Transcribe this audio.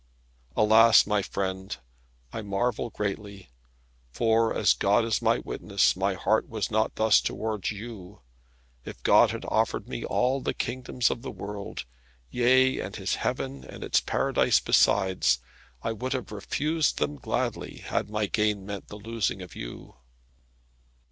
Alas, my friend, I marvel greatly; for as God is my witness my heart was not thus towards you. If God had offered me all the kingdoms of the world, yea, and His Heaven and its Paradise besides, I would have refused them gladly, had my gain meant the losing of you.